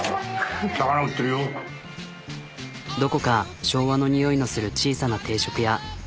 どこか昭和の匂いのする小さな定食屋。